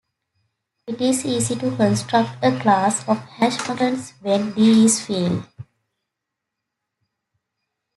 It is easy to construct a class of hash functions when "D" is field.